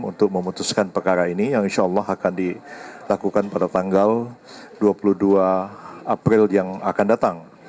untuk memutuskan perkara ini yang insya allah akan dilakukan pada tanggal dua puluh dua april yang akan datang